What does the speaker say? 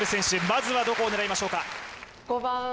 まずはどこを狙いましょうか？